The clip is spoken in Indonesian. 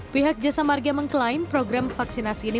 pihak jasa marga mengklaim program vaksinasi ini